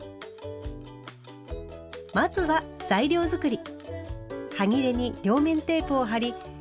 まずは材料作り。